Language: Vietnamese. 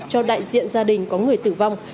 cho đại diện gia đình có người tử vong